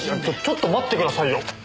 ちちょっと待ってくださいよ。